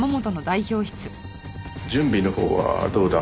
準備のほうはどうだ？